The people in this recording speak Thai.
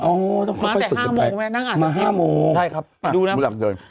อ๋อต้องค่อยฝึกกันไปมา๕โมงไหมนั่งอ่านเถอะครับดูนะมา๕โมง